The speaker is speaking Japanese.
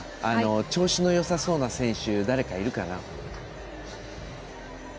調子のよさそうな選手誰かいるかな？